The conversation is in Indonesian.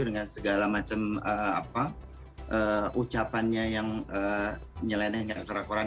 dengan segala macam ucapannya yang nyeleneng kera keraan